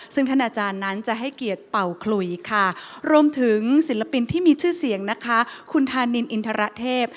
ซึ่งท่านอาจารย์นั้นจะให้เกียรติเป่าขลุยค่ะรวมถึงศิลปินที่มีชื่อเสียงนะคะคุณธานินอินทรเทพ